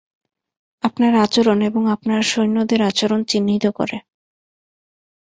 আপনার আচরন এবং আপনার সৈন্যদের আচরন চিহ্নিত করে।